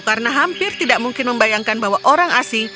karena hampir tidak mungkin membayangkan bahwa orang asing